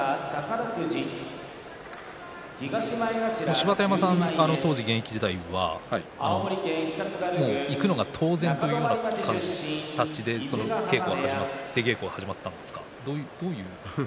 芝田山さん、当時現役時代は行くのが当然というような形で出稽古が始まったんですか？